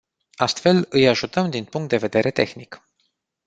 Astfel, îi ajutăm din punct de vedere tehnic.